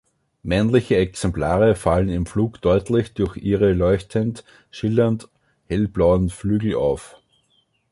Männliche Exemplare fallen im Flug deutlich durch ihre leuchtend schillernd hellblauen Flügel auf.